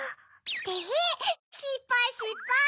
テヘっしっぱいしっぱい！